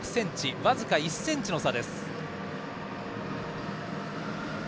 僅か１ｃｍの差です。